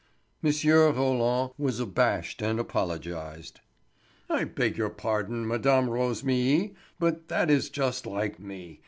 M. Roland was abashed, and apologized. "I beg your pardon, Mme. Rosémilly, but that is just like me.